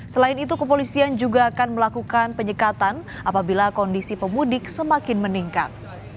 selain itu kepolisian juga akan melakukan penyekatan apabila kondisi pemudik semakin meningkat